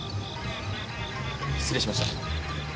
失礼しました。